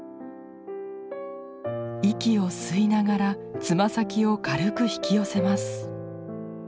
息を吸いながらつま先を軽く引き寄せます。